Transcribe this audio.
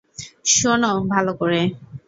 শোনো ভালো করে।